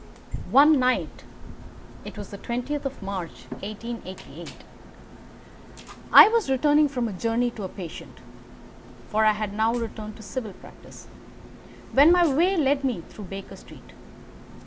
One night it was on the 20th of March, 1888 I was returning from a journey to a patient (for I had now returned to civil practice), when my way led me through Baker Street.